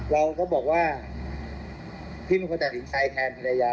เราก็บอกว่าพี่มีคนแต่ถึงชายแทนภรรยา